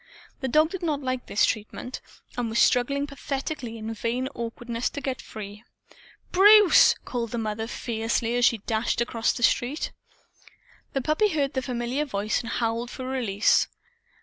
The dog did not like his treatment, and was struggling pathetically in vain awkwardness to get free. "Bruce!" called the Mistress, fiercely, as she dashed across the street. The puppy heard the familiar voice and howled for release.